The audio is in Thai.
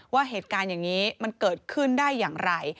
ว่าเหตุการณ์อย่างนี้มันเกิดขึ้นได้อย่างไร